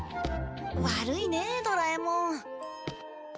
悪いねドラえもん。